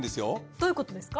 どういうことですか？